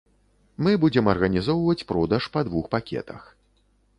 Мы будзем арганізоўваць продаж па двух пакетах.